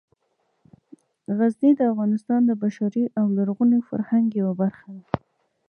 غزني د افغانستان د بشري او لرغوني فرهنګ یوه برخه ده.